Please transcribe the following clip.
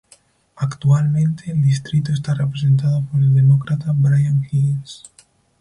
Actualmente el distrito está representado por el Demócrata Brian Higgins.